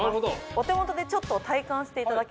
お手元でちょっと体感していただけますか？